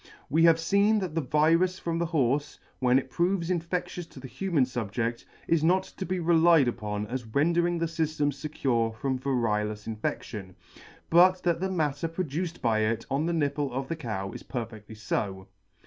We have feen that the virus from the horfe, when it proves infectious to the human fubjeCt, is not to be relied upon as rendering the fyffem fecure from variolous infection, but that the matter produced by it on the nipple of the cow is perfectly fo.